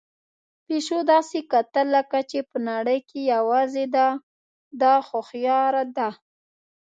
پيشو داسې کتل لکه چې په نړۍ کې یوازې ده هوښیار ده.